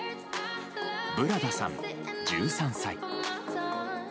ブラダさん、１３歳。